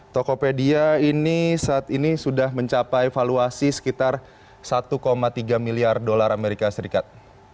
tokopedia ini saat ini sudah mencapai valuasi sekitar satu tiga miliar usd